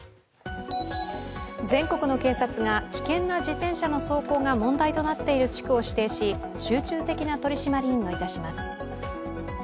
全国の警察が危険な自転車の走行が問題となっている地区を指定し、集中的な取締りに乗り出します。